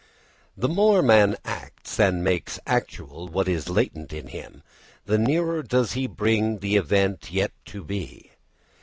The more man acts and makes actual what was latent in him, the nearer does he bring the distant Yet to be.